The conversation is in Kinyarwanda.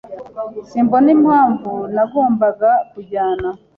Simbona impamvu nagombaga kujyana.